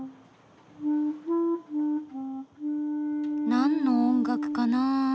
なんの音楽かな？